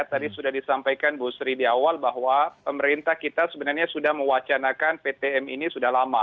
tadi sudah disampaikan bu sri di awal bahwa pemerintah kita sebenarnya sudah mewacanakan ptm ini sudah lama